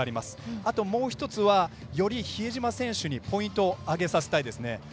あと、もう１つはより比江島選手にポイントを挙げさせたいですね。